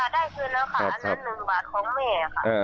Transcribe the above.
ได้คืนแล้วค่ะอันนั้น๑บาทของแม่ค่ะ